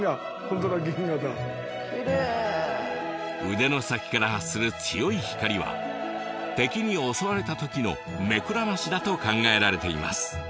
腕の先から発する強い光は敵に襲われたときの目くらましだと考えられています。